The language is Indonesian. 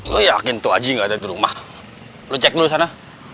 lo yakin tuhaji enggak ada di rumah lo cek dulu sana